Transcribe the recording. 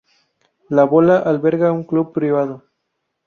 La bola alberga un club privado.